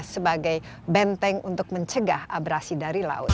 sebagai benteng untuk mencegah abrasi dari laut